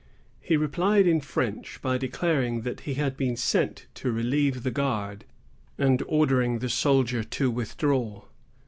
He replied in French, by declaring that he had been sent to relieve the guard, and ordering the soldier to withdraw.